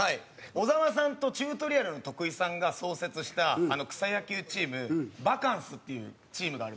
小沢さんとチュートリアルの徳井さんが創設した草野球チームバカンスっていうチームがあるんですよ。